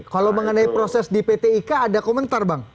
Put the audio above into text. kalau mengenai proses di pt ika ada komentar bang